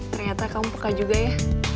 ternyata kamu peka juga ya